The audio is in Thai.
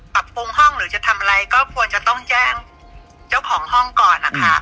ปรับปรุงห้องหรือจะทำอะไรก็ควรจะต้องแจ้งเจ้าของห้องก่อนนะคะ